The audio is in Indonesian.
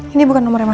ini bukan nomornya ma